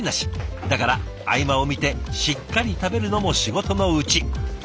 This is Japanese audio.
だから合間を見てしっかり食べるのも仕事のうち。